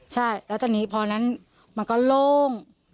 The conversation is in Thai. ใช่แล้วตอนนี้พอนั้นมันก็โล่ง